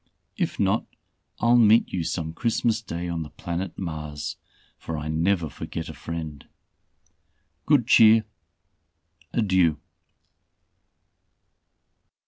If not, I'll meet you some Christmas day on the planet Mars, for I never forget a friend. Good cheer! Adieu."